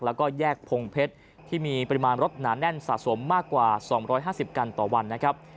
แล้วก็แยกพงเพชรที่มีปริมาณรถหนาแน่นสะสมมากกว่า๒๕๐กันต่อวันนะครับ